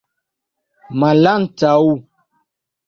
malantaŭ